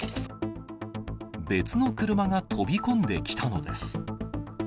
別の車が飛び込んできたのです。